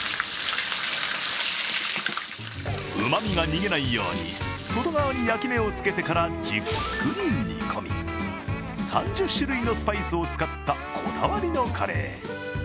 うまみが逃げないように、外側に焼き目をつけてからじっくり煮込み、３０種類のスパイスを使ったこだわりのカレー。